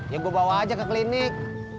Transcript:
ya gue bawa aja ke klinik